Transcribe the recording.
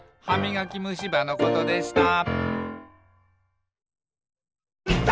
「はみがきむしばのことでした」